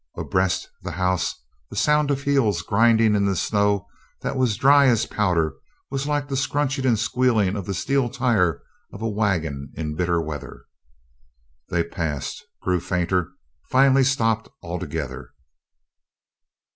Abreast the house the sound of heels grinding in the snow that was dry as powder was like the scrunching and squealing of the steel tire of a wagon in bitter weather. They passed, grew fainter, finally stopped altogether.